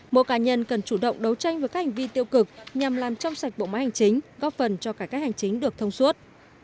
mỗi cá nhân cần chủ động đấu tranh với các hành vi tiêu cực nhằm làm trong sạch bộ máy hành chính góp phần cho cải cách hành chính được thông suốt